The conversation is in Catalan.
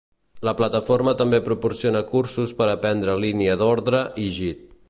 La plataforma també proporciona cursos per aprendre línia d'ordre i Git.